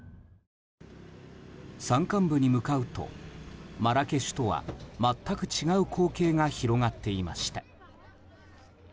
山間部に向かうとマラケシュとは全く違う光景が広がっていました。